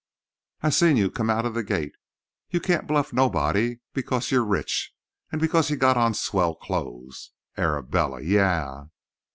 I seen you come out of the gate. You can't bluff nobody because you're rich. And because you got on swell clothes. Arabella! Yah!"